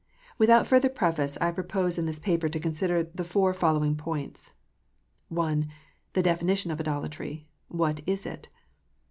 Without further preface, I propose in this paper to consider the four following points : I. The definition of idolatry. WHAT is IT